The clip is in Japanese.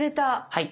はい。